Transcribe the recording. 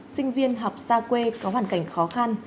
sinh viên học xa quê có hoàn cảnh khó khăn